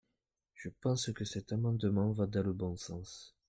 Je pense que cet amendement va dans le bon sens.